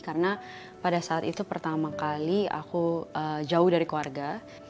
karena pada saat itu pertama kali aku jauh dari keluarga